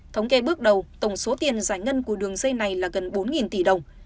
thống kê bước đầu tổng số tiền giải ngân của đường dây này là gần bốn tỷ đồng